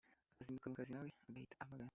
akazinduka mukazi nawe ugahita uhamagara